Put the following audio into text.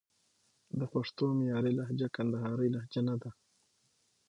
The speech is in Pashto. د پښتو معیاري لهجه کندهارۍ لجه ده